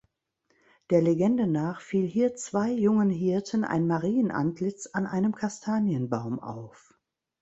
Der Legende nach fiel hier zwei jungen Hirten ein Marien-Antlitz an einem Kastanienbaum auf.